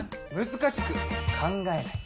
難しく考えない。